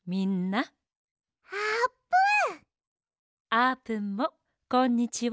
あーぷんもこんにちは。